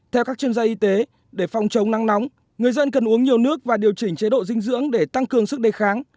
theo các chuyên gia y tế để phòng chống nắng nóng người dân cần uống nhiều nước và điều chỉnh chế độ dinh dưỡng để tăng cường sức đề kháng